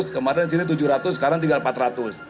kemarin sini tujuh ratus sekarang tinggal empat ratus